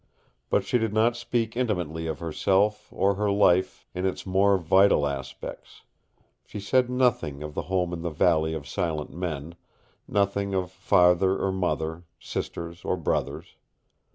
But she did not speak intimately of herself or her life in its more vital aspects; she said nothing of the home in the Valley of Silent Men, nothing of father or mother, sisters or brothers.